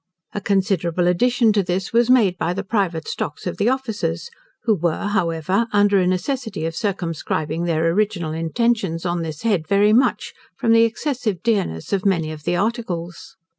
A considerable addition to this was made by the private stocks of the officers, who were, however, under a necessity of circumscribing their original intentions on this head very much, from the excessive dearness of many of the articles.